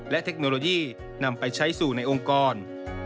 และเทคโนโลยีนำไปใช้สู่ในองค์กร